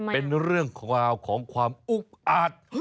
เป็นเรื่องราวของความอุกอาจ